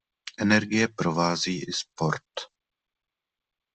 Energie provází i sport.